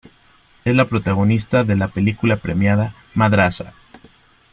Es la protagonista de la película premiada "Madraza".